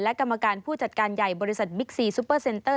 และกรรมการผู้จัดการใหญ่บริษัทบิ๊กซีซูเปอร์เซ็นเตอร์